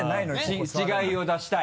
違いを出したい？